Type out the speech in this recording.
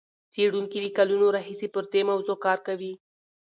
څېړونکي له کلونو راهیسې پر دې موضوع کار کوي.